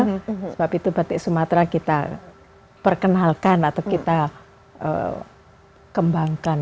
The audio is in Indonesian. sebab itu batik sumatera kita perkenalkan atau kita kembangkan